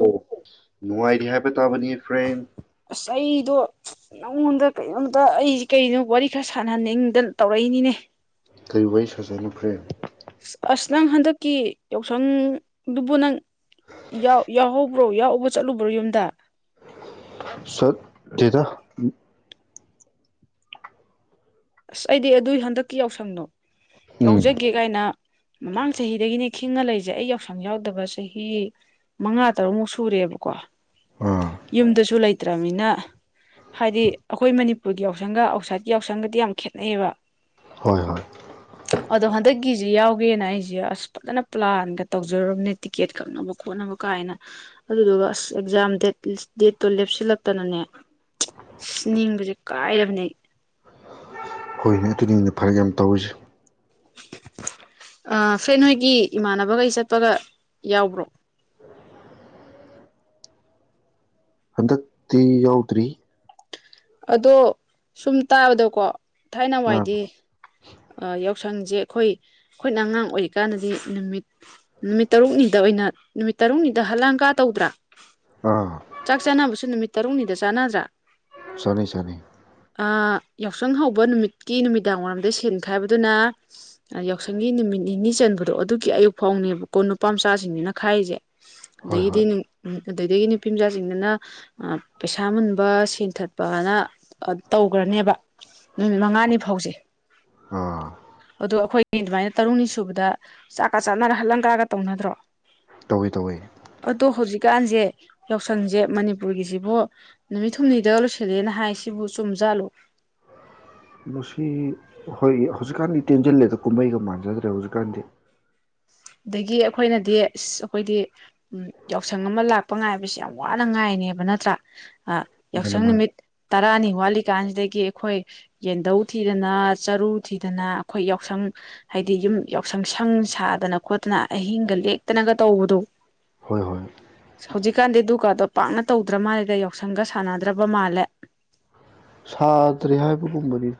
ꯑꯣ ꯅꯨꯡꯉꯥꯏꯔꯤ ꯍꯥꯏꯕ ꯇꯥꯕꯅꯤ ꯐ꯭ꯔꯦꯟ ꯑꯗꯣ ꯅꯪꯉꯣꯟꯗ ꯀꯩꯅꯣꯝꯇ ꯑꯩꯁꯦ ꯀꯩꯅꯣ ꯋꯥꯔꯤ ꯈꯔ ꯁꯥꯟꯅꯍꯟꯅꯤꯡꯗꯅ ꯇꯧꯔꯛꯏꯅꯤꯅꯦ ꯀꯔꯤ ꯋꯥꯔꯤ ꯁꯥꯖꯦ ꯍꯥꯏꯅꫭ ꯄ꯭ꯔꯦꯟ ꯑꯁ ꯅꯪ ꯍꯟꯗꯛꯀꯤ ꯌꯥꯎꯁꯪꯗꯨꯕꯨ ꯅꯪ ꯌꯥꯎꯍꯧꯕ꯭ꯔꯣ ꯌꯥꯎꯕ ꯆꯠꯂꯨꯕ꯭ꯔꯣ ꯌꯨꯝꯗ ꯆꯠ ꯗꯦꯗꯥ ꯑꯁ ꯑꯩꯗꯤ ꯑꯗꯨꯏ ꯍꯟꯗꯛꯀꯤ ꯌꯥꯎꯁꯪꯅꯣ ꯎꯝ ꯌꯥꯎꯖꯒꯦ ꯀꯥꯏꯅ ꯃꯃꯥꯡ ꯆꯍꯤꯗꯒꯤꯅꯤ ꯈꯤꯡꯉ ꯂꯩꯖꯦ ꯑꯩ ꯌꯥꯎꯁꯪ ꯌꯥꯎꯗꯕ ꯆꯍꯤ ꯃꯉꯥ ꯇꯔꯨꯛꯃꯨꯛ ꯁꯨꯔꯦꯕꯀꯣ ꯑꯥ ꯌꯨꯝꯗꯁꯨ ꯂꯩ ꯂꯩꯠꯇ꯭ꯔꯕꯅꯤꯅ ꯍꯥꯏꯗꯤ ꯑꯈꯣꯏ ꯃꯅꯤꯄꯨꯔꯒꯤ ꯌꯥꯎꯁꯪꯒ ꯑꯥꯎꯠꯁꯥꯏꯠꯀꯤ ꯌꯥꯎꯁꯪꯒꯗꯤ ꯌꯥꯝ ꯈꯦꯠꯅꯩꯌꯦꯕ ꯍꯣꯏ ꯍꯣꯏ ꯑꯗꯣ ꯍꯟꯗꯛ ꯒꯤꯁꯦ ꯌꯥꯎꯒꯦꯅ ꯑꯩꯁꯦ ꯑꯁ ꯐꯖꯅ ꯄ꯭ꯂꯥꯟꯒ ꯇꯧꯖꯔꯨꯔꯕꯅꯦ ꯇꯤꯛꯀꯦꯠ ꯀꯛꯅꯕ ꯈꯣꯠꯅꯕ ꯀꯥꯏꯅ ꯑꯗꯨꯗꯨꯒ ꯑꯁ ꯑꯦꯛꯧꯖꯥꯝ ꯗꯦꯠ ꯗꯦꯠꯇꯣ ꯂꯦꯞꯁꯤꯜꯂꯛꯇꯅꯅꯦ ꯑꯁ ꯅꯤꯡꯕꯁꯦ ꯀꯥꯏꯔꯕꯅꯦ ꯍꯣꯏꯅꯦ ꯑꯗꯨꯅꯤꯅꯦ ꯐꯔꯛ ꯌꯥꯝ ꯇꯧꯔꯤꯁꯦ ꯑ ꯐ꯭ꯔꯦꯟ ꯅꯣꯏꯒꯤ ꯏꯃꯥꯅꯕꯈꯩ ꯆꯠꯄꯒ ꯌꯥꯎꯕ꯭ꯔꯣ ꯇꯤ ꯌꯥꯎꯗ꯭ꯔꯤ ꯑꯗꯣ ꯁꯨꯝ ꯇꯥꯕꯗꯀꯣ ꯊꯥꯏꯅ ꯑꯥ ꯋꯥꯏꯗꯤ ꯑ ꯌꯥ ꯌꯥꯎꯁꯪꯁꯦ ꯑꯩꯈꯣꯏ ꯑꯩꯈꯣꯏꯅ ꯑꯉꯥꯡ ꯑꯣꯏꯔꯤꯀꯥꯟꯗꯗꯤ ꯅꯨꯃꯤꯠ ꯅꯨꯃꯤꯠ ꯇꯔꯨꯛꯅꯤꯗ ꯑꯣꯏꯅ ꯅꯨꯃꯤꯠ ꯇꯔꯨꯛꯅꯤꯗ ꯍꯂꯥꯡ ꯀꯥ ꯇꯧꯗ꯭ꯔꯥ ꯑꯥ ꯆꯥꯛ ꯆꯥꯅꯕꯁꯨ ꯅꯨꯃꯤꯠ ꯇꯔꯨꯛꯅꯤꯗ ꯆꯥꯟꯅꯗ꯭ꯔꯥ ꯁꯅꯤ ꯁꯅꯤ ꯑꯥ, ꯌꯥꯎꯁꯪ ꯍꯧꯕ ꯅꯨꯃꯤꯠꯀꯤ ꯅꯨꯃꯤꯗꯥꯡ ꯋꯥꯏꯔꯝꯗ ꯁꯦꯟ ꯈꯥꯏꯕꯗꯨꯅ ꯌꯥꯎꯁꯪꯒꯤ ꯅꯨꯃꯤꯠ ꯅꯤꯅꯤ ꯆꯟꯕꯗꯣ ꯑꯗꯨꯒꯤ ꯑꯌꯨꯛ ꯐꯥꯎꯅꯦꯕꯀꯣ ꯅꯨꯄꯥ ꯃꯆꯥꯁꯤꯡꯅꯤꯅ ꯈꯥꯏꯔꯤꯁꯦ ꯍꯣꯏ ꯍꯣꯏ ꯑꯗꯤꯅ ꯎꯝ ꯑꯗꯨꯗꯒꯤ ꯅꯨꯄꯤ ꯃꯆꯥꯁꯤꯡꯗꯅ ꯄꯩꯁꯥ ꯃꯨꯟꯕ ꯁꯦꯟꯊꯠ ꯖꯅ ꯇꯧꯈ꯭ꯔꯅꯦꯕ ꯅꯨꯃꯤꯠ ꯃꯉꯥꯅꯤ ꯐꯥꯎꯁꯦ ꯑꯥ ꯑꯗꯨ ꯑꯩꯈꯣꯏꯒꯤ ꯑꯗꯨꯃꯥꯏꯅ ꯇꯔꯨꯛꯅꯤ ꯁꯨꯕꯗ ꯆꯥꯛꯀ ꯆꯥꯅꯔ ꯍꯜꯂꯪꯀꯒ ꯇꯧꯅꯗ꯭ꯔꯣ ꯇꯧꯋꯤ ꯇꯧꯋꯤ ꯑꯗꯣ ꯍꯧꯖꯤꯛꯀꯥꯟꯁꯦ ꯌꯥꯎꯁꯪꯁꯦ ꯃꯅꯤꯄꯨꯔꯒꯤꯁꯤꯕꯨ ꯅꯨꯃꯤꯠ ꯍꯨꯝꯅꯤꯗ ꯂꯣꯏ ꯈꯤꯂꯦꯅ ꯍꯥꯏꯁꯤꯕꯨ ꯆꯨꯝꯖꯥꯜꯂꯨ ꯃꯁꯤ ꯍꯣꯏ ꯍꯧꯖꯤꯛꯀꯥꯟꯗꯤ ꯇꯦꯟꯁꯤꯜꯂꯦꯗ ꯀꯨꯝꯍꯩꯒ ꯃꯥꯟꯖꯗ꯭ꯔꯦ ꯍꯧꯖꯤꯛꯀꯥꯟꯗꯤ ꯑꯗꯒꯤ ꯑꯩꯈꯣꯏꯅꯗꯤ ꯑ ꯑꯩꯈꯣꯏꯗꯤ ꯎ ꯌꯥꯎꯁꯪ ꯑꯃ ꯂꯥꯛꯄ ꯉꯥꯏꯕꯁꯤ ꯌꯥꯝ ꯋꯥꯅ ꯉꯥꯏꯅꯦꯕ ꯅꯠꯇ꯭ꯔꯥ ꯃꯥꯅꯦ ꯌꯥꯎꯁꯪ ꯃꯥꯅꯦ ꯅꯨꯃꯤꯠ ꯇꯔꯥꯅꯤ ꯋꯥꯠꯂꯤꯀꯥꯟꯁꯤꯗꯒꯤꯩ ꯒꯤ ꯑꯩꯈꯣꯏ ꯌꯦꯟꯙꯧ ꯊꯤꯗꯅ ꯆꯔꯨ ꯊꯤꯗꯅ ꯑꯩꯈꯣꯏ ꯌꯥꯎꯁꯪ ꯍꯥꯏꯗꯤ ꯌꯨꯝ ꯌꯥꯎꯁꯪ ꯁꯪ ꯁꯥꯗꯅ ꯈꯣꯠꯇꯅ ꯑꯍꯤꯡꯒ ꯂꯦꯛꯇꯅꯒ ꯇꯧꯕꯗꯣ ꯍꯣꯏ ꯍꯣꯏ ꯍꯧꯖꯤꯀꯥꯟꯗꯗꯤ ꯗꯨꯒꯥꯗꯣ ꯄꯥꯛꯅ ꯇꯧꯗ꯭ꯔ ꯃꯥꯜꯂꯦꯗ ꯌꯥꯎꯁꯪꯒ ꯁꯥꯟꯅꯗ꯭ꯔꯕ ꯃꯥꯜꯂꯦ ꯁꯥꯗ꯭ꯔꯦ ꯍꯥꯏꯕꯒꯨꯝꯕꯅꯤ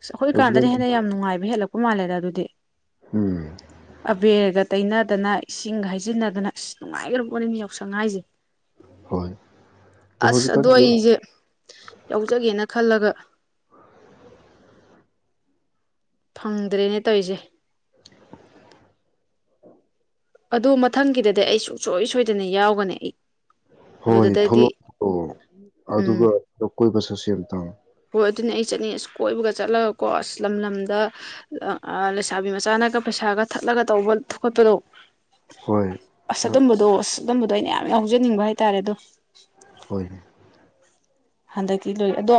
ꯑ ꯑꯩꯈꯣꯏ ꯍꯧꯖꯤꯛꯀꯥꯟ ꯀꯥꯟꯗꯅ ꯍꯦꯟꯅ ꯌꯥꯝ ꯅꯨꯡꯉꯕ ꯍꯦꯜꯂꯛꯄ ꯎ ꯃꯥꯜꯂꯦꯗ ꯑꯗꯨꯗꯤ ꯎꯝ ꯑꯕꯔꯒ ꯇꯩꯅꯗꯅ ꯏꯁꯤꯡꯒ ꯍꯩꯖꯤꯟꯅꯗꯅ ꯑꯁ ꯅꯨꯡꯉꯥꯏꯈ꯭ꯔꯕ ꯄꯣꯠꯅꯤꯅꯤ ꯌꯥꯎꯁꯪ ꯍꯥꯏꯥꯏꯁꯦ ꯍꯣꯏ ꯑꯁ ꯑꯗꯣ ꯑꯩꯁꯦ ꯌꯥꯎꯖꯒꯦꯅ ꯈꯜꯂꯒ ꯐꯪꯗ꯭ꯔꯦꯅꯦ ꯇꯧꯔꯤꯁꯦ ꯑꯗꯨ ꯃꯊꯪꯒꯤꯗꯗꯤ ꯑꯩ ꯁꯨꯡꯁꯣꯏ ꯁꯣꯏꯗꯅ ꯌꯥꯎꯒꯅꯤ ꯑꯩ ꯍꯣꯏ ꯑꯗꯨꯗꯗꯗꯤ ꯊꯣꯛꯂꯛꯑꯣꯂꯛꯑꯣ ꯎꯝ ꯑꯗꯨꯒ ꯀꯣꯏꯕꯁ ꯁꯁꯦꯜ ꯇꯥꯡ ꯍꯣꯏ ꯑꯗꯨꯅꯦ ꯑꯩ ꯆꯠꯅꯤꯡ ꯑꯁ ꯀꯣꯏꯕꯒ ꯆꯠꯂꯒꯀꯣ ꯑꯁ ꯂꯝ ꯂꯝꯗ ꯂꯩꯁꯥꯕꯤ ꯃꯆꯥꯅꯒ ꯄꯩꯁꯥꯒ ꯊꯠꯂꯒ ꯇꯧꯕ ꯊꯀꯠꯄꯗꯣ ꯍꯣꯏ ꯑꯁ ꯅ ꯇꯝꯕꯗꯨꯣ ꯇꯝꯕ ꯑꯗꯣ ꯑꯩꯅ ꯌꯥꯝ ꯌꯥꯎꯖꯅꯤꯡꯕ ꯍꯥꯏꯇꯥꯔꯦ ꯑꯗꯣ ꯍꯣꯏꯅꯦ ꯍꯟꯗꯛꯇꯤ ꯂꯣꯏ ꯑꯗꯣ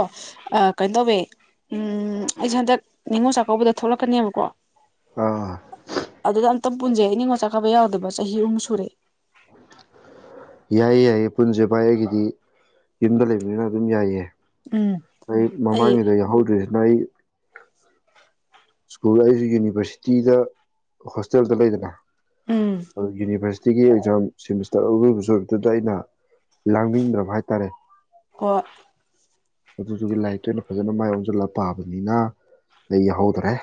ꯀꯩꯅꯣ ꯇꯧꯋꯦ ꯎ ꯑꯩꯁꯦ ꯍꯟꯗꯛ ꯅꯤꯉꯣꯜ ꯆꯥꯛꯀꯧꯕꯗ ꯊꯣꯛꯂꯛꯀꯅꯦꯕꯀꯣ ꯑꯥ ꯑꯗꯨꯗ ꯑꯝꯇ ꯄꯨꯟꯖꯩ ꯏ ꯅꯤꯡꯉꯣꯜ ꯆꯥꯛꯀꯥꯕ ꯌꯥꯎꯗꯕ ꯆꯍꯤ ꯑꯍꯨꯝ ꯁꯨꯔꯦ ꯌꯥꯏꯌꯦ ꯌꯥꯏꯌꯦ ꯄꯨꯟꯁꯦ ꯚꯥꯏ ꯑꯩꯒꯤꯗꯤ ꯌꯨꯝꯗ ꯂꯩꯕꯅꯤꯅ ꯑꯗꯨꯝ ꯌꯥꯏꯌꯦ ꯎꯝ ꯑꯩ ꯃꯃꯥꯡꯉꯩꯗ ꯌꯥꯎꯍꯧꯗ꯭ꯔꯤꯁꯤꯅ ꯑꯩ ꯁ꯭ꯀꯨꯜ ꯑꯩꯁꯨ ꯌꯨꯅꯤꯚꯔꯁꯤꯇꯤꯗ ꯍꯣꯁꯇꯦꯜꯗ ꯂꯩꯗꯅ꯫ ꯎꯝ ꯌꯨꯅꯤꯚꯔꯁ ꯁꯤꯒꯤ ꯑꯦꯛꯖꯥꯝ ꯁꯦꯃꯤꯁꯇꯔ ꯑꯔꯣꯏꯕꯁꯨ ꯑꯣꯏꯕꯗꯨꯗ ꯑꯩꯅ ꯂꯥꯡꯅꯤꯡꯗꯕ ꯍꯥꯏꯇꯥꯔꯦ꯫ [unintelligible] ꯑꯗꯨꯗꯨꯒꯤ ꯂꯥꯏꯔꯤꯛꯇ ꯑꯣꯏꯅ ꯐꯖꯅ ꯃꯥꯏ ꯑꯣꯟꯁꯤꯜꯂꯒ ꯄꯥꯕꯅꯤꯅ ꯑꯩ ꯌꯥꯎꯍꯧꯗꯔꯦ꯫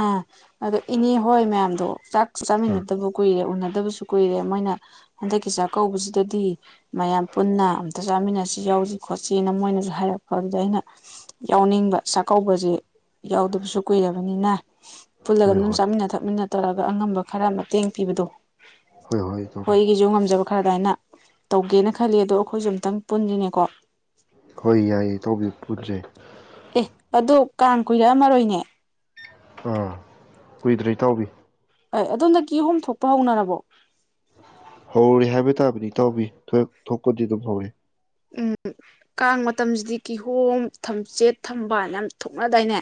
ꯑꯥ ꯑꯗꯣ ꯏꯅꯦ ꯍꯣꯏ ꯃꯌꯥꯝꯗꯣ ꯆꯥꯛ꯫ ꯑꯥ ꯆꯥꯃꯤꯟꯅꯗꯕ ꯀꯨꯏꯔꯦ ꯎꯟꯅ ꯗꯕꯁꯨ ꯀꯨꯏꯔꯦ ꯃꯣꯏꯅ ꯍꯟꯗꯛꯀꯤ ꯆꯥꯛꯀꯧꯕꯁꯤꯗꯗꯤ ꯃꯌꯥꯝ ꯄꯨꯟꯅ ꯑꯝꯇ ꯆꯥꯃꯤꯟꯅꯁꯤ ꯌꯥꯎꯁꯤ ꯈꯣꯠꯁꯤꯅ ꯃꯣꯏꯅꯁꯨ ꯍꯥꯏꯔꯛꯄ ꯑꯗꯨꯗ ꯑꯩꯅ ꯌꯥꯎꯅꯤꯡꯕ ꯆꯥꯛꯀꯧꯕꯁꯦ ꯌꯥꯎꯗꯕꯁꯨ꯫ ꯀꯨꯏꯔꯕꯅꯤꯅ꯫ ꯄꯨꯜꯂꯒ ꯍꯣꯏ ꯑꯗꯨꯝ ꯍꯣꯏ ꯆꯥꯃꯤꯟꯅ ꯊꯛꯃꯤꯟꯅ ꯇꯧꯔꯒ ꯑꯉꯝꯕ ꯈꯔ ꯃꯇꯦꯡ ꯄꯤꯕꯗꯣ꯫ ꯍꯣꯏ ꯍꯣꯏ ꯏꯇꯥꯎꯕꯤ ꯑꯩꯒꯤꯁꯨ ꯉꯝꯖꯕ ꯈꯔ ꯑꯗ꯭ꯋꯥꯏꯅ꯫ ꯇꯧꯒꯦꯅ ꯈꯜꯂꯤ ꯑꯗꯣ ꯑꯩꯈꯣꯏꯁꯨ ꯑꯝꯇꯪ ꯄꯨꯟꯁꯤꯅꯦꯀꯣ꯫ ꯍꯣꯏ ꯌꯥꯏꯌꯦ ꯇꯥꯎꯕꯤ ꯄꯨꯟꯁꯦ꯫ ꯑꯦ ꯑꯗꯣ ꯀꯥꯡ ꯀꯨꯏꯔꯛꯑꯃꯔꯣꯏꯅꯦ꯫ ꯑꯥ ꯀꯨꯏꯗ꯭ꯔꯦ ꯏꯇꯥꯎꯕꯤ꯫ ꯑꯗꯣꯝꯗ ꯀꯤꯍꯣꯝ ꯊꯣꯛꯄ ꯍꯧꯅꯔꯕꯣ꯫ ꯍꯧꯔꯦ ꯍꯥꯏꯕ ꯇꯥꯕꯅꯤ ꯇꯥꯎꯕꯤ ꯊꯣꯛꯄꯗꯤ ꯑꯗꯨꯝ ꯍꯧꯔꯦ꯫ ꯎꯝ ꯀꯥꯡ ꯃꯇꯝꯁꯤꯗꯤ ꯀꯤꯍꯣꯝ ꯊꯝꯆꯦꯠ ꯊꯝꯕꯥꯟ ꯌꯥꯝ ꯊꯣꯛꯅꯗꯥꯏꯅꯦ꯫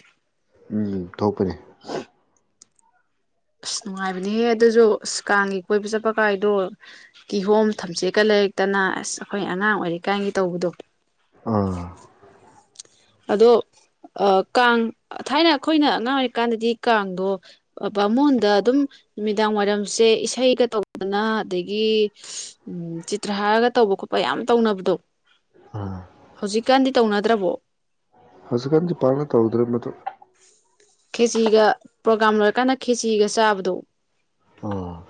ꯎꯝ ꯊꯣꯛꯄꯅꯦ꯫ ꯑꯁ ꯅꯨꯡꯉꯥꯏꯕꯅꯦꯍꯦ ꯑꯗꯨꯁꯨ ꯑꯁ ꯀꯥꯡꯒꯤ ꯀꯣꯏꯕ ꯆꯠꯄ ꯀꯥꯏꯗꯣ ꯀꯤꯍꯣꯝ ꯊꯝꯆꯦꯠꯀ ꯂꯩꯔꯛꯇꯅ ꯑꯁ ꯑꯩꯈꯣꯏ ꯑꯉꯥꯡ ꯑꯣꯏꯔꯤ ꯀꯥꯟꯒꯤ ꯇꯧꯕꯗꯣ꯫ ꯑꯥ꯫ ꯑꯗꯣ ꯑ ꯀꯥꯡ ꯊꯥꯏꯅ ꯑꯩꯈꯣꯏꯅ ꯑꯉꯥꯡ ꯑꯣꯏꯔꯤꯀꯥꯟꯗꯗꯤ ꯀꯥꯡꯗꯣ ꯕꯥꯃꯣꯟꯗ ꯑꯗꯨꯝ ꯅꯨꯃꯤꯗꯥꯡ ꯋꯥꯏꯔꯝꯁꯦ ꯏꯁꯩꯒ ꯇꯧꯗꯅ ꯑꯗꯒꯤ ꯆꯤꯇ꯭ꯔꯍꯥꯔꯒ ꯇꯧꯕ ꯈꯣꯠꯄ ꯌꯥꯝ ꯇꯧꯅꯕꯗꯣ꯫ ꯑꯥ ꯍꯧꯖꯤꯛꯀꯥꯟꯗꯤ꯫ ꯇꯧꯅꯗ꯭ꯔꯕꯣ꯫ ꯍꯧꯖꯤꯛꯀꯥꯟꯗꯤ ꯄꯥꯛꯅ ꯇꯧꯗ꯭ꯔꯦ ꯃꯗꯨ꯫ ꯈꯦꯆꯤꯒ ꯄ꯭ꯔꯣꯒꯥꯝ ꯂꯣꯏꯔꯀꯥꯟꯗ ꯈꯦꯆꯤꯒ ꯆꯥꯕꯗꯣ꯫ ꯎꯝ꯫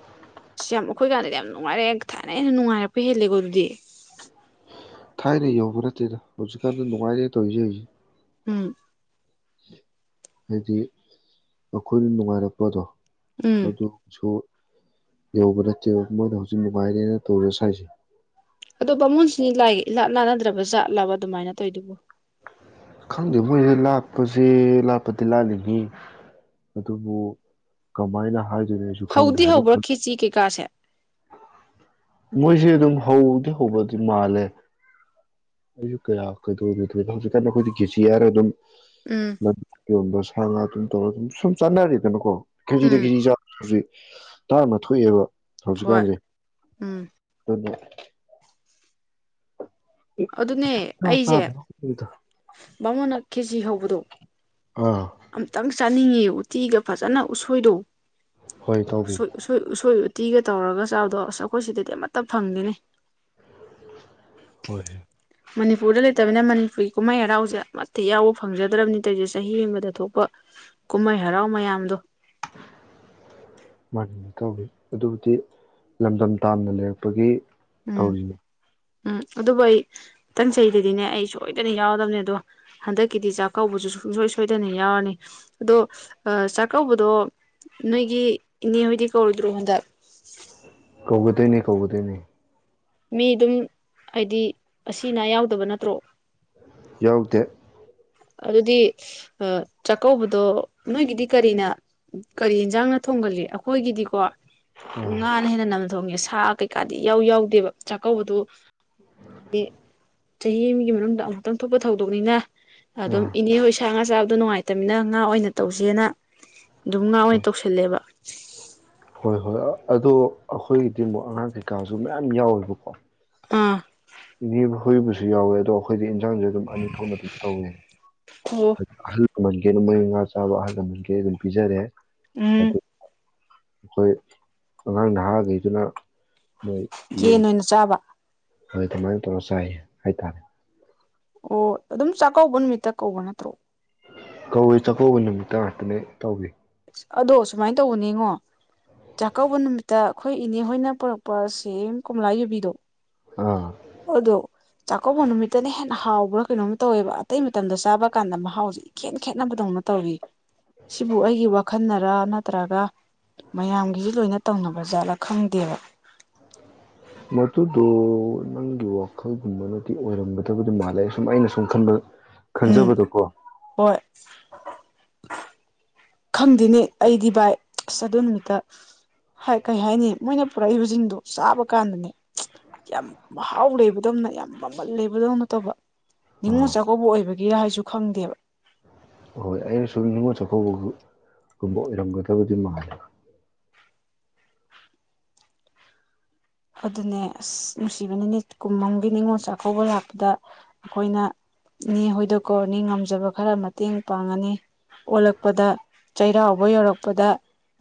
ꯑꯁ ꯌꯥꯝ ꯑꯩꯈꯣꯏ ꯀꯥꯟꯗ ꯌꯥꯝ ꯅꯨꯡꯉꯥꯏꯔꯦ ꯊꯥꯏꯅ ꯍꯦꯟꯅ ꯅꯨꯡꯉꯥꯏꯔꯛꯄ ꯍꯦꯜꯂꯦꯀꯣ ꯑꯗꯨꯗꯤ ꯊꯥꯏꯅ ꯌꯧꯕ ꯅꯠꯇꯦꯗ꯫ ꯍꯧꯖꯤꯀꯥꯟꯗꯤ ꯅꯨꯡꯉꯥꯏꯔꯦ [unintelligible] [inaudible] ꯍꯥꯏꯗꯤ ꯑꯩꯈꯣꯏꯅ ꯅꯨꯡꯉꯥꯏꯔꯛꯄꯗꯣ꯫ ꯎꯝ [unintelligible] ꯌꯧꯕ ꯅꯠꯇꯦ ꯃꯣꯏꯅ ꯍꯧꯖꯤꯛ ꯅꯨꯡꯉꯥꯏꯔꯦꯅ ꯇꯧꯖ ꯁꯥꯏꯁꯦ꯫ ꯑꯗꯣ ꯕꯥꯃꯣꯟꯁꯤ ꯂꯥꯏ ꯏ ꯂꯥꯠꯅꯗ꯭ꯔꯕꯖꯥꯠꯂꯕ ꯑꯗꯨꯃꯥꯏꯅ ꯇꯧꯏꯗꯨꯕꯨ꯫ ꯈꯪꯗꯦ ꯃꯣꯏꯁꯦ ꯂꯥꯠꯄꯁꯦ ꯂꯥꯠꯄꯗꯤ ꯂꯥꯠꯂꯤꯅꯤ ꯑꯗꯨꯕꯨ ꯀꯃꯥꯏꯅ ꯍꯥꯏ ꯍꯧꯗꯤ ꯍꯧꯕ꯭ꯔ ꯈꯦꯆꯤ ꯀꯩꯀꯥꯁꯦ꯫ ꯃꯣꯏꯁꯦ ꯑꯗꯨꯝ ꯍꯗꯤ ꯍꯧꯕꯗꯤ ꯃꯥꯜꯂꯦ ꯑꯩꯁꯨ ꯀꯌꯥ ꯀꯩꯗꯧꯒꯤꯗ꯭ꯔꯦꯗ ꯍꯧꯖꯤꯛꯀꯥꯟ ꯑꯩꯈꯣꯏꯗꯤ ꯀꯦꯖꯤ ꯍꯥꯏꯔꯒ ꯑꯗꯨꯝ꯫ ꯎꯝ ꯃ ꯌꯣꯟꯕꯁꯦ ꯁꯥꯉꯥ ꯑꯗꯨꯝ ꯇꯧꯔꯒ ꯑꯗꯨꯝ ꯁꯨꯝ ꯆꯥꯟꯅꯔꯤꯗꯅꯀꯣ ꯈꯦꯖꯤꯗ ꯎꯝ ꯈꯦꯖꯤ ꯆꯥ ꯍꯖꯤꯛ ꯇꯥꯡꯅ ꯊꯣꯛꯑꯦꯕ ꯍꯣꯏ ꯍꯧꯖꯤꯀꯥꯟꯖꯦ ꯎꯝ ꯗꯨꯅꯦ ꯑꯗꯨꯅꯦ ꯑꯩꯁꯦ ꯆꯥꯗ ꯕꯥꯃꯣꯟꯅ ꯈꯦꯆꯤ ꯍꯧꯕꯗꯣ ꯑꯥ ꯑꯝ ꯇꯪ ꯆꯥ ꯆꯥꯅꯤꯡꯉꯤꯌꯦ ꯎꯇꯤꯒ ꯐꯖꯅ ꯎꯁꯣꯏꯗꯣ ꯍꯣꯏ ꯇꯧꯕꯤ ꯎꯁꯣꯏ ꯎꯁꯣꯏ ꯎꯁꯣꯏ ꯇꯤꯒ ꯇꯧꯔꯒ ꯆꯥꯕꯗꯣ ꯑꯁ ꯑꯩꯈꯣꯏ ꯁꯤꯗꯗꯤ ꯑꯃꯠꯇ ꯐꯪꯗꯦꯅꯦ ꯍꯣꯏ ꯃꯅꯤꯄꯨꯔꯗ ꯂꯩꯇꯕꯅꯤꯅ ꯃꯅꯤꯄꯨꯔꯤ ꯀꯨꯝꯍꯩ ꯍꯔꯥꯎꯖꯦ ꯑꯃꯠꯇ ꯌꯥꯎꯕ ꯐꯪꯖꯗ꯭ꯔꯝꯅꯤ ꯇꯩꯖꯦ ꯆꯍꯤ ꯑꯃꯗꯥ ꯊꯣꯛꯄ ꯀꯨꯝꯍꯩ ꯍꯔꯥꯎ ꯃꯌꯥꯝꯗꯣ ꯃꯥꯅꯤꯅꯦ ꯏꯇꯥꯎꯕꯤ ꯑꯗꯨꯕꯨꯗꯤ ꯂꯝꯗꯝ ꯇꯥꯝꯅ ꯂꯩꯔꯛꯄꯒꯤ ꯎꯝ ꯇꯧꯔꯤꯅꯦ ꯎꯝ ꯑꯗꯨꯕꯨ ꯑꯩ ꯃꯇꯪ ꯆꯍꯤꯗꯗꯤꯅꯦ ꯑꯩ ꯁꯣꯏꯗꯅ ꯌꯥꯎꯔꯗꯕꯅꯦ ꯑꯗꯣ ꯍꯟꯗꯛꯀꯤꯗꯤ ꯆꯥꯛꯀꯧꯕꯖꯨ ꯁꯨꯡꯁꯣꯏ ꯁꯣꯏꯗꯅ ꯌꯥꯎꯔꯅꯤ ꯑꯗꯣ ꯆꯥꯛꯀꯧꯕꯗꯣ ꯅꯣꯏꯒꯤ ꯏꯅꯦꯍꯣꯏꯗꯤ ꯀꯧꯔꯣꯏꯗ꯭ꯔꯣ ꯍꯟꯗꯛ ꯀꯧꯒꯗꯣꯏꯅꯦ ꯀꯧꯒꯗꯣꯏꯅꯦ ꯃꯤ ꯑꯗꯨꯝ ꯍꯥꯏꯗꯤ ꯑꯁꯤꯅꯥ ꯌꯥꯎꯗꯕ ꯅꯠꯇ꯭ꯔꯣ ꯌꯥꯎꯗꯦ ꯑꯗꯨꯗꯤ ꯆꯥꯛꯀꯧꯕꯗꯣ ꯅꯣꯏꯒꯤꯗꯤ ꯀꯔꯤꯅ ꯀꯔꯤ ꯌꯦꯟꯖꯥꯡꯅ ꯊꯣꯡꯒꯜꯂꯤ ꯑꯩꯈꯣꯏꯒꯤꯗꯤꯀꯣ ꯑꯥ ꯉꯥꯅ ꯍꯦꯟꯅ ꯅꯝꯅ ꯊꯣꯡꯉꯦ ꯑꯁ ꯊ ꯀꯩꯀꯥꯗꯤ ꯏꯌꯥꯎ ꯌꯥꯎꯗꯦꯕ ꯆꯥꯛꯀꯧꯕꯗꯨ ꯍꯥꯏꯗꯤ ꯆꯍꯤ ꯑꯃꯒꯤ ꯃꯅꯨꯡꯗ ꯑꯃꯨꯛꯇꯪ ꯊꯣꯛꯄ ꯊꯧꯗꯣꯛꯅꯤꯅ ꯑꯗꯨꯝ ꯑꯥ ꯏꯅꯦ ꯍꯣꯏ ꯁꯥꯡꯉꯥ ꯥꯛ ꯆꯥꯕꯗꯣ ꯅꯨꯡꯉꯥꯏꯇꯝꯅꯤꯅ ꯉꯥ ꯑꯣꯏꯅ ꯇꯧꯁꯦꯅ ꯑꯗꯨꯝ ꯉꯥ ꯍꯣꯏ ꯑꯣꯏꯅ ꯇꯧꯁꯜꯂꯦꯕ ꯍꯣꯏ ꯍꯣꯏ ꯑꯗꯣ ꯑꯩꯈꯣꯏꯒꯤꯗꯤ ꯑꯃꯨꯛ ꯑꯉꯥꯡ ꯀꯩꯀꯥꯁꯨ ꯃꯌꯥꯝ ꯌꯥꯎꯋꯦꯕꯀꯣ ꯑꯥ ꯏꯅꯦ ꯃꯈꯣꯏꯕꯨꯁꯨ ꯌꯥꯎꯋꯦ ꯑꯗꯣ ꯑꯩꯈꯣꯏꯗꯤ ꯍꯦꯟꯖꯥꯜꯁꯦ ꯑꯗꯨꯝ ꯑꯅꯤ ꯊꯣꯛꯅ ꯑꯗꯨꯝ ꯇꯧꯋꯦ ꯑꯣ ꯑꯍꯜ ꯑ ꯃ ꯀꯩꯅꯣ ꯃꯣꯏ ꯉꯥ ꯆꯥꯕ ꯑꯍꯜ ꯂꯃꯟꯒꯤ ꯑꯗꯨꯝ ꯄꯤꯖꯔꯦ ꯎꯝ ꯑꯗꯨ ꯑꯩꯈꯣꯏ ꯑꯉꯥꯡ ꯅꯍꯥꯒꯩꯗꯨꯅ ꯀꯦꯟ ꯑꯣꯏꯅ ꯆꯥꯕ ꯍꯣꯏ ꯑꯗꯨꯃꯥꯏꯅ ꯇꯧꯔ ꯆꯥꯏ ꯍꯥꯏꯇꯥꯔꯦ ꯑꯣ ꯑꯗꯨꯝ ꯆꯥꯛꯀꯧꯕ ꯅꯨꯃꯤꯠꯇ ꯀꯧꯕ ꯅꯠꯇ꯭ꯔꯣ ꯀꯧꯏ ꯆꯥꯛꯀꯧꯕ ꯅꯨꯃꯤꯠꯇ ꯉꯥꯛꯇꯅꯦ ꯇꯧꯋ ꯑꯗꯣ ꯁꯨꯃꯥꯏꯅ ꯇꯧꯕꯅꯦꯉꯣ ꯆꯥꯛꯀꯧꯕ ꯅꯨꯃꯤꯠꯇ ꯑꯩꯈꯣꯏ ꯏꯅꯦ ꯍꯣꯏꯅ ꯄꯨꯔꯛꯄ ꯁꯦꯝ ꯀꯣꯝꯂꯥ ꯌꯨꯕꯤꯗꯣ ꯑ ꯑꯗꯣ ꯆꯥꯛꯀꯧꯕ ꯅꯨꯃꯤꯠꯇꯅ ꯍꯦꯟꯅ ꯍꯥꯎꯕ꯭ꯔꯥ ꯀꯩꯅꯣꯝ ꯇꯧꯋꯦꯕ ꯑꯇꯩ ꯃꯇꯝꯗ ꯆꯥꯕ ꯀꯥꯟꯗ ꯃꯍꯥꯎꯁꯦ ꯏꯈꯦꯟ ꯈꯦꯠꯅꯕꯗꯧꯅ ꯇꯧꯋꯤ ꯁꯤꯕꯨ ꯑꯩꯒꯤ ꯋꯥꯈꯜꯅ ꯅꯠꯇ꯭ꯔꯒ ꯃꯌꯥꯝꯒꯤ ꯂꯣꯏꯅ ꯇꯧꯅꯕ ꯖꯥꯠꯂꯥ ꯈꯪꯗꯦꯕ ꯃꯗꯨꯗꯣ ꯅꯪꯒꯤ ꯋꯥꯈꯜꯒꯨꯝꯕꯅꯗꯤ ꯑꯣꯏꯔꯝꯒꯗꯕꯨꯗꯤ ꯃꯥꯜꯂꯦ ꯁꯨꯝ ꯑꯩꯅ ꯁꯨꯝ ꯈꯟꯕ ꯎꯝ ꯈꯟꯖꯕꯗꯨꯀꯣ [inaudible] ꯈꯪꯗꯦꯅꯦ ꯑꯩꯗꯤ ꯚꯥꯏ ꯑꯁ ꯑꯗꯨ ꯅꯨꯃꯤꯠꯇ ꯀꯩ ꯍꯥꯏꯅꯤ ꯃꯣꯏꯅ ꯄꯨꯔꯛꯏꯕꯁꯤꯡꯗꯣ ꯆꯥꯕ ꯀꯥꯟꯗꯅꯦ ꯌꯥꯝ ꯃꯍꯥꯎ ꯂꯩꯕꯗꯧꯅ ꯌꯥꯝ ꯃꯃꯜ ꯂꯩꯕꯗꯧꯅ ꯇꯧꯕ ꯅꯤꯉꯣꯜ ꯑꯥ ꯆꯥꯛꯀꯧꯕ ꯑꯣꯏꯕꯒꯤ ꯍꯥꯏꯁꯨ ꯈꯪꯗꯦꯕ ꯍꯣꯏ ꯑꯩꯅ ꯁꯨꯝ ꯅꯤꯡꯉꯣꯜ ꯆꯥꯛꯀꯧꯕꯒꯨꯝꯕ ꯑꯣꯏꯔꯝꯒꯗꯕꯗꯤ ꯃꯥꯜꯂꯤ ꯑꯗꯨꯅꯦ ꯑꯁ ꯅꯨꯡꯁꯤꯕꯅꯦ ꯀꯨꯝꯃꯪꯒꯤ ꯅꯤꯉꯣꯜ ꯆꯥꯛꯀꯧꯕ ꯂꯥꯛꯄꯗ ꯑꯩꯈꯣꯏꯅ ꯍꯣꯏꯗꯣꯛꯀꯣꯅꯤ ꯉꯝꯖꯕ ꯈꯔ ꯃꯇꯦꯡ ꯄꯥꯡꯉꯅꯤ ꯑꯣꯜꯂꯛꯄꯗ ꯆꯩꯔꯥꯎꯕ ꯌꯧꯔꯛꯄꯗ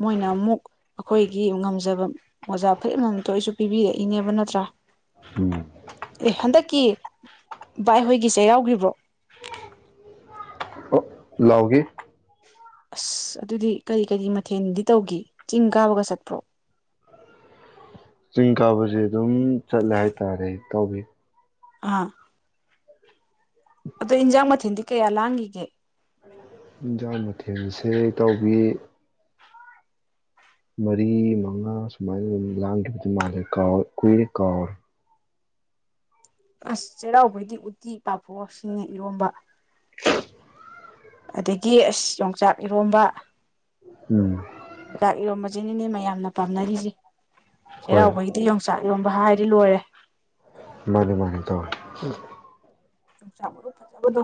ꯃꯣꯏꯅ ꯑꯃꯨꯛ ꯑꯩꯈꯣꯏꯒꯤ ꯉꯝꯖꯕ ꯃꯣꯖꯥ ꯐꯔꯤꯠꯃ ꯄꯤꯕꯤꯔꯛꯏꯅꯦꯕ ꯅꯠꯇ꯭ꯔꯥ ꯎꯝ ꯑꯦ ꯍꯟꯗꯛꯀꯤ ꯕꯥꯏ ꯍꯣꯏꯒꯤ ꯆꯩꯔꯥꯎꯒꯤꯕ꯭ꯔꯣ ꯑꯣ ꯂꯥꯎꯒꯤ ꯑꯁ ꯑꯗꯨꯗꯤ ꯀꯔꯤ ꯀꯔꯤ ꯃꯊꯦꯜꯗꯤ ꯇꯧꯈꯤ ꯆꯤꯡ ꯀꯥꯕꯒ ꯆꯠꯄ꯭ꯔꯣ ꯆꯤꯡ ꯀꯥꯕꯁꯦ ꯑꯗꯨꯝ ꯆꯠꯂꯦ ꯍꯥꯏꯇꯥꯔꯦ ꯇꯥꯎꯕꯤ ꯑꯥ ꯑꯗ ꯏꯟꯖꯥꯝ ꯃꯊꯦꯟꯗꯤ ꯀꯦꯌꯥ ꯂꯥꯡꯒꯤꯒꯦ ꯌꯦꯟꯁꯥꯡ ꯃꯊꯦꯜꯁꯦ ꯏꯇꯥꯎꯕꯤ ꯃꯔꯤ ꯃꯉꯥ ꯁꯨꯃꯥꯏꯅ ꯑꯗꯨ ꯂꯥꯡꯈꯤꯕꯗꯨ ꯃꯥꯜꯂꯦ ꯀꯥꯎ ꯀꯨꯏꯔꯦ ꯀꯥꯎꯔꯦ ꯑꯁ ꯆꯩꯔꯥꯎꯕꯩꯗꯤ ꯎꯠꯇꯤ ꯄꯥꯐꯣꯔ [unintelligible] ꯉꯦ ꯏꯔꯣꯝꯕ [inaudible] ꯑꯗꯒꯤ ꯑꯁ ꯌꯣꯡꯆꯥꯛ ꯏꯔꯣꯝꯕ ꯎꯝ ꯇ ꯏꯔꯣꯝꯕꯖꯦ [unintelligible] ꯃꯌꯥꯝꯅ ꯄꯥꯝꯅꯔꯤꯁꯦ ꯍꯣꯏ ꯆꯩꯔꯥꯎꯕꯒꯤꯗꯤ ꯌꯣꯡꯆꯥꯛ ꯔꯣꯝꯕ ꯍꯥꯏꯗꯤ ꯂꯣꯏꯔꯦ ꯃꯥꯅꯦ ꯃꯥꯅꯦ ꯇꯧꯋꯦ ꯌꯣꯡꯆꯥꯛ ꯃꯔꯨ ꯐꯖꯕꯗꯣ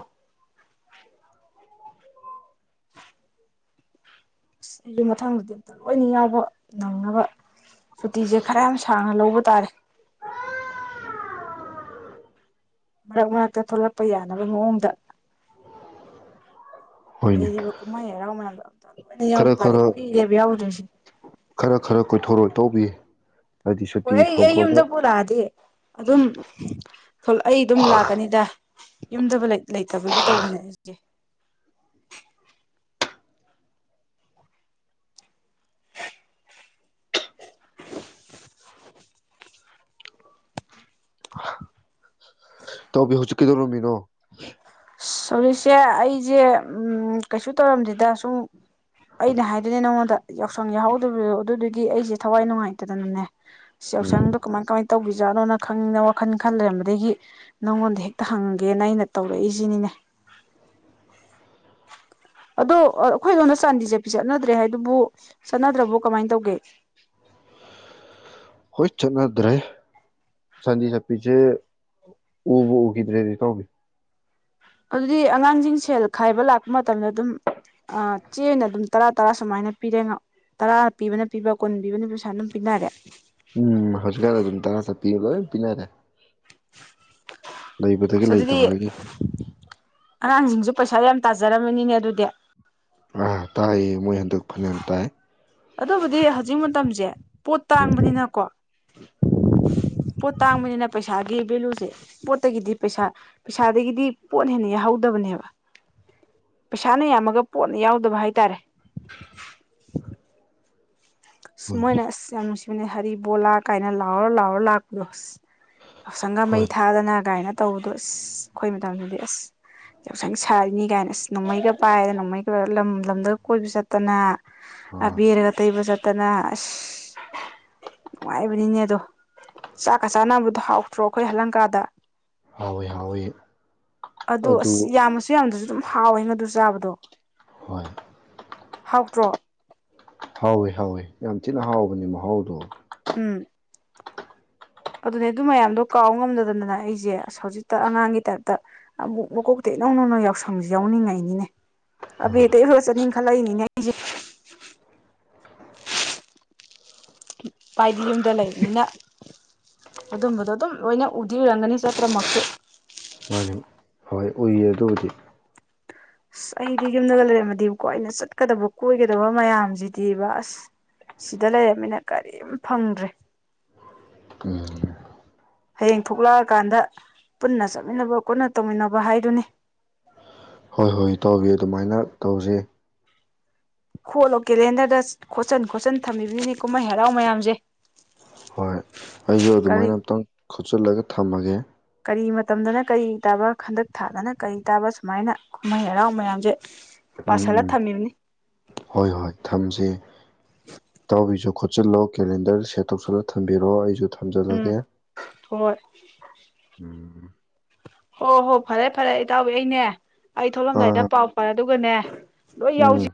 ꯑꯁ ꯑꯩꯁꯨ ꯃꯊꯪꯗꯗꯤ ꯑꯝꯇ ꯂꯣꯏꯅ ꯌꯥꯎꯕ ꯅꯪꯅꯕ ꯁꯨꯇꯤꯁꯦ ꯈꯔ ꯌꯥꯝ ꯁꯥꯡꯅ ꯂꯧꯕ ꯇꯥꯔꯦ ꯃꯔꯛ ꯃꯔꯛꯇ ꯊꯣꯛꯂꯛꯄ ꯌꯥꯅꯕ ꯃꯑꯣꯡꯗ ꯍꯣꯏꯅꯦ ꯂꯩꯔꯤꯕ ꯀꯨꯃꯩ ꯍꯔꯥꯎ ꯃꯌꯥꯝꯗꯣ ꯈꯔ [unintelligible] ꯈꯔ ꯀꯨꯢꯔꯦꯕ ꯌꯥꯎꯗ꯭ꯔꯤꯖꯦ ꯈꯔ ꯈꯔ ꯀꯣꯏꯊꯣꯔꯣꯛꯑꯣ ꯏꯇꯥꯎꯕꯤ ꯍꯥꯏꯗꯤ ꯍꯣꯏ ꯁꯨꯇꯤ ꯑꯩ ꯑꯩ ꯐꯪꯕꯒ ꯌꯨꯝꯗꯕꯨ ꯂꯥꯛꯑꯗꯤ ꯑꯗꯨꯝ ꯑꯩ ꯑꯗꯨꯝ ꯂꯥꯛꯀꯅꯤꯗ ꯌꯨꯝꯗꯕꯨ ꯂꯩ ꯂꯩꯇꯕꯒꯤ ꯇꯧꯕꯅꯦ ꯑꯩꯁꯦ ꯇꯧꯕꯤ ꯍꯧꯖꯤꯛ ꯀꯩꯗꯧꯔꯝꯃꯤꯅꯣ ꯑꯁ ꯍꯧꯖꯤꯛꯁꯦ ꯑꯩꯁꯦ ꯀꯩꯁꯨ ꯇꯧꯔꯝꯗꯦꯗ ꯁꯨꯝ ꯑꯩꯅ ꯍꯥꯏꯗꯣꯏꯅꯦ ꯅꯉꯣꯟꯗ ꯌꯥꯎꯁꯪ ꯌꯥꯎꯍꯧꯗꯕꯤꯗꯣ ꯑꯗꯨꯗꯨꯒꯤ ꯑꯩꯁꯦ ꯊꯋꯥꯏ ꯅꯨꯡꯉꯥꯏꯇꯗꯅꯅꯦ ꯁꯦꯜꯁꯪꯗꯣ ꯀꯃꯥꯏ ꯀꯃꯥꯏ ꯇꯧꯕꯤꯖꯥꯠꯅꯣꯅ ꯈꯪꯅꯤꯡꯗꯅ ꯋꯥꯈꯜ ꯈꯜ ꯂꯩꯔꯝꯕꯗꯒꯤ ꯅꯪꯉꯣꯟꯗ ꯍꯦꯛꯇ ꯍꯪꯒꯦꯅ ꯑꯩꯅ ꯇꯧꯔꯛꯏꯁꯦ ꯅꯤꯅꯦ ꯑꯗꯣ ꯑꯩꯈꯣꯏ ꯂꯣꯟꯅ ꯆꯥꯟꯗꯤꯁꯦ ꯄ ꯆꯠꯅꯗ꯭ꯔꯦ ꯍꯥꯏꯗꯨꯕꯨ ꯆꯠꯅꯗ꯭ꯔꯕꯨ ꯀꯃꯥꯏꯅ ꯇꯧꯒꯦ ꯍꯣꯏ ꯆꯠꯅꯗ꯭ꯔꯦ ꯁꯟꯗꯤ ꯁꯄꯤꯁꯦ ꯎꯕ ꯎꯈꯤꯗ꯭ꯔꯦꯗꯤ ꯀꯧꯏ ꯑꯗꯨꯗꯤ ꯑꯉꯥꯡꯁꯤꯡ ꯁꯦꯜ ꯈꯥꯏꯕ ꯂꯥꯛꯄ ꯃꯇꯝꯗ ꯑꯗꯨꯝ ꯆꯦꯅ ꯑꯗꯨꯝ ꯇꯔꯥ ꯇꯔꯥ ꯁꯨꯃꯥꯏꯅ ꯄꯤꯔꯦꯣ ꯇꯔꯥ ꯄꯤꯕꯅ ꯄꯤꯕ ꯀꯨꯟ ꯄꯤꯕꯅ ꯄꯤ ꯁꯨꯃꯥꯏꯅ ꯑꯗꯨꯝ ꯄꯤꯅꯔꯦ ꯎꯝ ꯍꯖꯒꯒꯥ ꯑꯗꯨ ꯇ ꯁ ꯄꯤꯅꯔꯦ ꯂꯩꯕꯗꯒꯤ ꯑꯁ ꯑꯗꯨꯗꯤ ꯂꯩꯇꯕꯗꯒꯤ ꯑꯉꯥꯡꯁꯤꯡꯁꯨ ꯄꯩꯁꯥ ꯌꯥꯝ ꯇꯥꯖꯔꯝꯃꯅꯤꯅꯦ ꯑꯗꯨꯗꯤ ꯑꯥ ꯇꯥꯛꯌꯦ ꯃꯣꯏ ꯍꯟꯗꯛ ꯐꯅꯌꯥꯝ ꯇꯥꯏ ꯑꯗꯨꯕꯨꯗꯤ ꯍꯧꯖꯤꯛ ꯃꯇꯝꯁꯦ ꯄꯣꯠ ꯇꯥꯡꯕꯅꯤꯅꯀꯣ ꯄꯣꯠ ꯇꯥꯡꯕꯅꯤꯅ ꯄꯩꯁꯥ ꯄꯩꯁꯥꯒꯤ ꯚꯦꯂꯨꯁꯦ ꯄꯣꯠꯇꯒꯤꯗꯤ ꯄꯩꯁꯥ ꯄꯩꯁꯥꯗꯒꯤꯗꯤ ꯄꯣꯠꯅ ꯍꯦꯟꯅ ꯌꯥꯎꯍꯧꯗꯕꯅꯦꯕ ꯄꯩꯁꯥꯅ ꯌꯥꯝꯃꯒ ꯄꯣꯠꯅ ꯌꯥꯎꯗꯕ ꯍꯥꯏꯇꯥꯔꯦ ꯍꯣꯏ ꯃꯣꯏꯅꯁꯤ ꯌꯥꯝ ꯑꯗꯨꯅꯦ ꯍꯔꯤ ꯣꯂꯥ ꯀꯥꯏꯅ ꯂꯥꯎꯔ ꯂꯥꯎꯔ ꯂꯥꯛꯄꯨꯔꯣꯁ ꯌꯥꯎꯁꯪꯒ ꯃꯩ ꯍꯣꯏ ꯊꯥꯗꯅ ꯀꯥꯏꯅ ꯇꯧꯕꯗꯣ ꯑꯁ ꯑꯩꯈꯣꯏ ꯃꯇꯝꯗꯗꯤ ꯑꯁ ꯌꯥꯎꯁꯪ ꯁꯥꯔꯤꯅꯤ ꯀꯥꯏꯅ ꯑꯁ ꯅꯣꯡꯃꯩꯒ ꯄꯥꯏꯗ ꯅꯣꯡꯃꯩꯒ ꯂꯣꯏꯔ ꯂꯝ ꯂꯝꯗꯒ ꯀꯣꯏꯕ ꯆꯠꯇꯅ ꯑꯥ ꯑꯕꯤ ꯑꯦꯔꯦꯒ ꯇꯕ ꯆ ꯇꯅ ꯑꯁ ꯅꯨꯡꯉꯥꯏꯕꯅꯤꯅꯦ ꯑꯗꯣ ꯆꯥꯛꯀ ꯆꯥꯅꯕꯗꯣ ꯍꯥꯎꯇ꯭ꯔꯣ ꯑꯩꯈꯣꯏ ꯍꯂꯪꯀꯥꯗ ꯍꯥꯎꯋꯏ ꯍꯥꯎꯋꯏ ꯑꯗꯣ ꯑꯁ ꯌꯥꯝꯃꯁꯨ ꯌꯥꯝꯗ꯭ꯔꯁꯨ ꯁꯨꯝ ꯍꯥꯎꯋꯦ ꯉꯥ ꯑꯗꯨꯨ ꯆꯥꯕꯗꯣ ꯍꯣꯏ ꯍꯥꯎꯇ꯭ꯔꯣ ꯍꯥꯎꯋꯦ ꯍꯥꯎꯋꯤ ꯌꯥꯝ ꯊꯤꯅ ꯍꯥꯎꯕꯅꯦ ꯃꯍꯥꯎꯗꯣ ꯎꯝ ꯑꯗꯨꯅꯦ ꯑꯗꯨ ꯃꯌꯥꯝꯗꯣ ꯀꯥꯎ ꯉꯝꯗꯗꯅ ꯑꯩꯁꯦ ꯑꯁ ꯍꯧꯖꯤꯛꯇ ꯑꯉꯥꯡꯒꯤ ꯇꯥꯏꯞꯇ ꯑꯃꯨꯛ ꯃꯀꯣꯛꯇ ꯏꯅꯧ ꯅꯧꯅ ꯌꯥꯎꯁꯪꯁꯦ ꯌꯥꯎꯅꯤꯡꯉꯛꯏꯅꯤꯅꯦ ꯑꯕꯦ ꯑꯥ ꯑꯇꯩ ꯈꯔ ꯆꯠꯅꯤꯡꯈꯠꯂꯛꯏꯅꯤꯅꯦ ꯑꯩꯁꯦ ꯄꯥꯏꯗꯤ ꯌꯨꯝꯗ ꯂꯩꯕꯅꯤꯅ ꯑꯗꯨꯝꯕꯗꯣ ꯑꯗꯨꯝ ꯂꯣꯏꯅ ꯎꯗꯤꯔꯝꯒꯅꯤ ꯆꯠꯇ꯭ꯔꯃꯛꯁꯨ ꯀꯨꯏꯌꯦ ꯑꯗꯨꯕꯨꯗꯤ ꯑꯁ ꯑꯩꯗꯤ ꯌꯨꯝꯗꯒ ꯂꯩꯔꯝꯃꯗꯤ ꯀꯣ ꯑꯩꯅ ꯆꯠꯀꯗꯕ ꯀꯣꯏꯒꯗꯕ ꯃꯌꯥꯝꯁꯤꯗꯤ ꯕꯥꯁ ꯁꯤꯗ ꯂꯩꯔꯕꯝꯃꯤꯅ ꯀꯔꯤꯝ ꯐꯪꯗ꯭ꯔꯦ ꯎꯝ ꯍꯌꯦꯡ ꯊꯣꯛꯂꯛꯑꯀꯥꯟꯗ ꯄꯨꯟꯅ ꯆꯠꯃꯤꯟꯅꯕ ꯄꯨꯟꯅ ꯇꯧꯃꯤꯟꯅꯕ ꯍꯥꯏꯗꯨꯅꯤ ꯑꯍꯣꯏ ꯏꯇꯥꯎꯕꯤ ꯑꯗꯨꯃꯥꯏꯅ ꯇꯧꯁꯦ ꯈꯣꯠꯂꯣ ꯀꯦꯂꯦꯟꯗꯔꯗ ꯈꯣꯠꯆꯤꯟ ꯈꯣꯠꯆꯤꯟ ꯊꯝꯕꯤꯕꯤꯅꯤ ꯀꯨꯝꯍꯩ ꯍꯔꯥꯎ ꯃꯌꯥꯝꯁꯦ ꯍꯣꯏ ꯑꯩꯁꯨ ꯀꯔꯤ ꯑꯗꯨꯃꯥꯏꯅ ꯑꯃꯝꯛꯇꯪ ꯈꯨꯣꯠꯆꯜꯂꯒ ꯊ ꯊꯝꯃꯒꯦ ꯀꯔꯤ ꯃꯇꯝꯗꯅ ꯀꯔꯤ ꯇꯥꯕ ꯍꯟꯗꯛ ꯊꯥꯗꯅ ꯀꯔꯤ ꯇꯥꯕ ꯁꯨꯃꯥꯏꯅ ꯀꯨꯝꯍꯩ ꯍꯔꯥꯎ ꯃꯌꯥꯝꯁꯦ ꯎꯝ ꯄꯥꯁꯜꯂ ꯎꯝ ꯊꯝꯃꯤꯕꯅꯤ ꯍꯣꯏ ꯍꯣꯏ ꯊꯝꯖꯦ ꯅꯪꯁꯨ ꯈꯣꯠꯆꯜꯂꯣ ꯀꯦꯂꯦꯟꯗꯔ ꯁꯦꯠ ꯇꯧꯁꯤꯜꯂ ꯊꯝꯕꯤꯔꯣꯑꯣ ꯑꯩꯁꯨ ꯎꯝ ꯊꯝꯖꯜꯂꯒꯦ ꯍꯣꯏ ꯎꯝ ꯐꯔꯦ ꯐꯔꯦ ꯑꯩ ꯏꯇꯥꯎꯕꯤ ꯑꯩꯅꯦ ꯑꯩ ꯊꯣꯛꯂꯝꯗꯥꯏꯗ ꯑꯥ ꯄꯥꯎ ꯄꯥꯔꯦ ꯑꯗꯨ ꯎꯕꯅꯦ ꯂꯣꯏ ꯎꯝ ꯌꯥꯎꯁꯤ